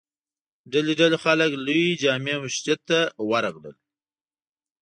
ډلې ډلې خلک لوی جامع مسجد ته ور راغلل.